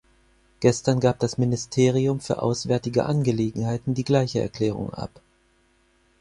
Gestern gab das Ministerium für auswärtige Angelegenheiten die gleiche Erklärung ab.